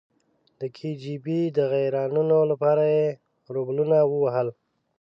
د کې جی بي د غیرانونو لپاره یې روبلونه ووهل.